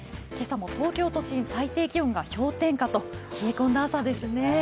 今朝も東京都心、最低気温が氷点下と冷え込んだ朝ですね。